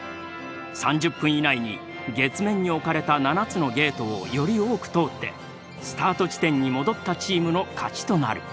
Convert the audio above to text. ３０分以内に月面に置かれた７つのゲートをより多く通ってスタート地点に戻ったチームの勝ちとなる。